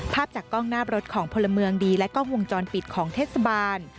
ภาพจากกล้องหน้ารถของพลเมืองดีและกล้องวงจรปิดของเทศบาล